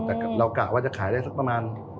แต่เรากะว่าจะขายได้สักประมาณ